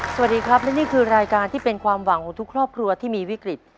สวัสดีครับและนี่คือรายการที่เป็นความหวังของทุกครอบครัวที่มีวิกฤต